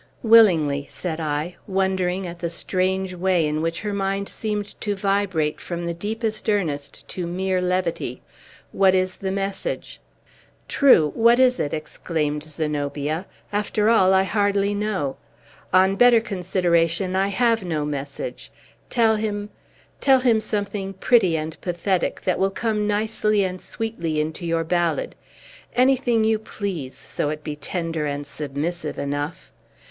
"Willingly," said I, wondering at the strange way in which her mind seemed to vibrate from the deepest earnest to mere levity. "What is the message?" "True, what is it?" exclaimed Zenobia. "After all, I hardly know. On better consideration, I have no message. Tell him, tell him something pretty and pathetic, that will come nicely and sweetly into your ballad, anything you please, so it be tender and submissive enough.